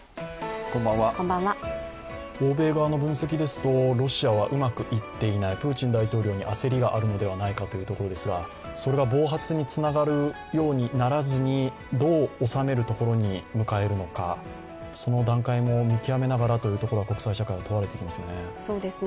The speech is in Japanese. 欧米側の分析ですと、ロシアはうまくいっていないプーチン大統領に焦りがあるのではないかというところですが、それが暴発につながるようにならずに、どう収めるところに迎えるのか、その段階も見極めながらというところが、国際社会、問われてきますね。